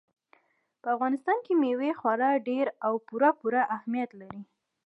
په افغانستان کې مېوې خورا ډېر او پوره پوره اهمیت لري.